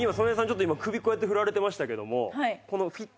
ちょっと首こうやって振られてましたけども。